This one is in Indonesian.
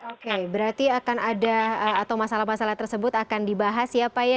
oke berarti akan ada atau masalah masalah tersebut akan dibahas ya pak ya